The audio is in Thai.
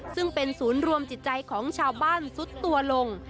ซึ่งเป็นศูนย์รวมจิตใจของชาวบ้านซุดตัวลง